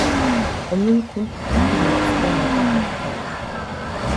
Өмнө нь хүнд төмөр нугастай модон хаалга байлаа.